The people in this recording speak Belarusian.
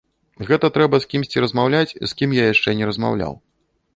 Гэта трэба з кімсьці размаўляць, з кім я яшчэ не размаўляў.